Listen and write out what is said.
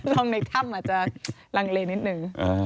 ลงในถ้ำอาจจะลังเลนิดนึง